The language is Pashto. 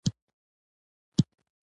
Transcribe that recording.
منطق د خوب او خیال ضد دی.